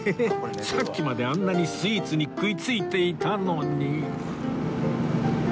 さっきまであんなにスイーツに食い付いていたのに